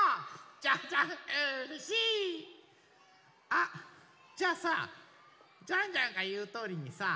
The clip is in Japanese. あっじゃあさジャンジャンがいうとおりにさ